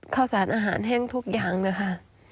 ข้าวสารอาหารแห้งทุกอย่างนะคะ